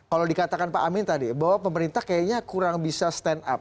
kalau dikatakan pak amin tadi bahwa pemerintah kayaknya kurang bisa stand up